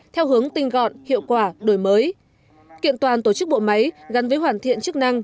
theo hướng tinh gọn hiệu quả đổi mới kiện toàn tổ chức bộ máy gắn với hoàn thiện chức năng